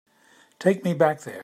Take me back there.